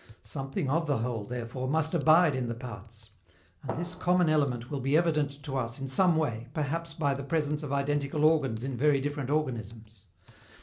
Something of the whole, therefore, must abide in the parts; and this common element will be evident to us in some way, perhaps by the presence of identical organs in very different organisms.